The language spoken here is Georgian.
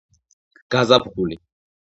გაზაფხული